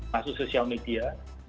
masuk social media